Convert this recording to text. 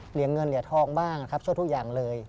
เหรียญเงินเหรียญทองบ้างครับช่วยทุกอย่างเลย